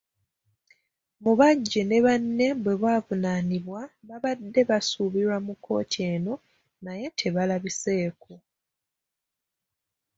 Mubajje ne banne bwe bavunaanibwa baabadde basuubira mu kkooti eno naye tebaalabiseeko.